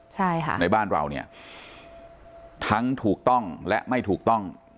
ใช่ค่ะในบ้านเราเนี่ยทั้งถูกต้องและไม่ถูกต้อง